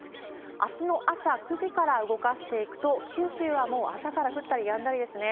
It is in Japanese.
あすの朝９時から動かしていくと、九州はもう朝から降ったりやんだりですね。